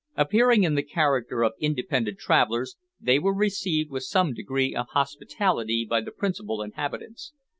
Appearing in the character of independent travellers, they were received with some degree of hospitality by the principal inhabitants.